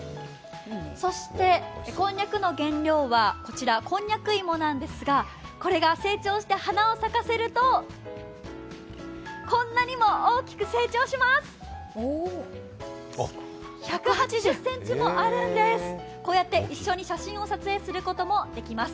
そしてこんにゃくの原料はこちら、こんにゃく芋なんですが、これが成長して花を咲かせるとこんなにも大きく成長します。